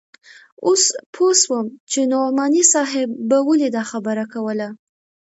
اوس پوه سوم چې نعماني صاحب به ولې دا خبره کوله.